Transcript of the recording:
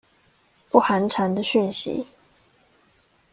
不寒蟬的訊息